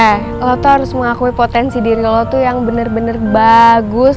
eh lo tuh harus mengakui potensi diri lo tuh yang bener bener bagus